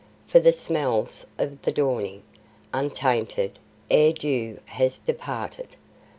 For the smells of the dawning, untainted, ere dew has departed!